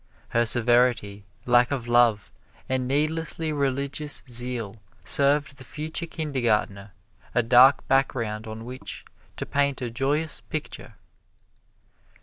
Her severity, lack of love, and needlessly religious zeal served the future Kindergartner a dark background on which to paint a joyous picture.